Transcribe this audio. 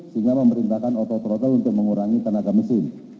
sehingga memerintahkan ototrotol untuk mengurangi tenaga mesin